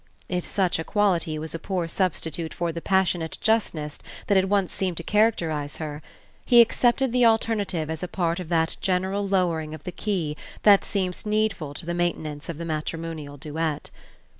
If such a quality was a poor substitute for the passionate justness that had once seemed to characterize her, he accepted the alternative as a part of that general lowering of the key that seems needful to the maintenance of the matrimonial duet.